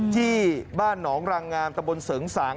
ที่บ้านหนองรังงามตะบนเสริงสาง